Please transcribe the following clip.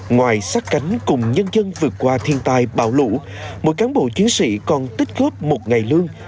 ngoài sát cánh cùng nhân dân vượt qua thiên tai bão lũ mỗi cán bộ chiến sĩ còn tích góp một ngày lương